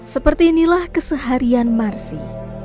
seperti inilah keseharian marsi